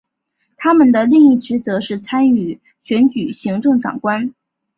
他们的另一职责是参与选举行政长官。